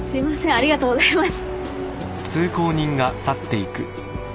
ありがとうございます。